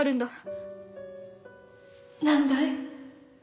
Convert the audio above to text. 何だい？